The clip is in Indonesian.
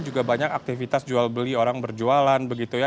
juga banyak aktivitas jual beli orang berjualan begitu ya